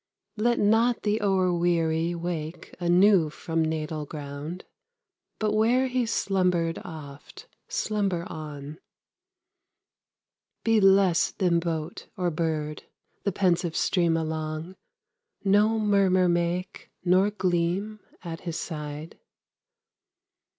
Let not the o'erweary wake Anew from natal ground, But where he slumbered oft, Slumber on. Be less than boat or bird, The pensive stream along; No murmur make, nor gleam, At his side.